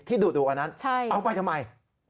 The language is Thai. ที่ดุดุกันนั้นเอาไปทำไม